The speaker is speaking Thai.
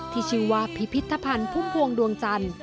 ที่ชื่อว่าพิพิธภัณฑ์พุ่มพวงดวงจันทร์